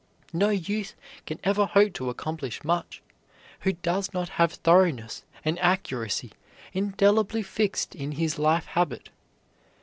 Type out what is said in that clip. No youth can ever hope to accomplish much who does not have thoroughness and accuracy indelibly fixed in his life habit.